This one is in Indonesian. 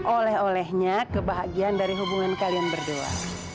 oleh olehnya kebahagiaan dari hubungan kalian berdua